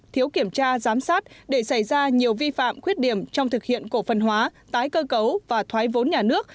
thiếu kiểm tra giám sát để xảy ra nhiều vi phạm khuyết điểm trong thực hiện cổ phần hóa tái cơ cấu và thoái vốn nhà nước